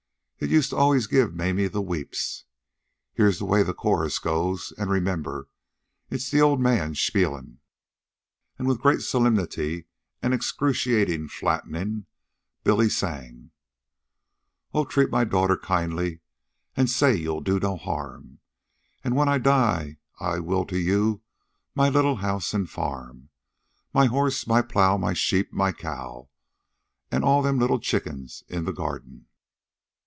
It used to always give Mamie the weeps. Here's the way the chorus goes an' remember, it's the old man spielin'." And with great solemnity and excruciating flatting, Billy sang: "O treat my daughter kind i ly; An' say you'll do no harm, An' when I die I'll will to you My little house an' farm My horse, my plow, my sheep, my cow, An' all them little chickens in the ga a rden.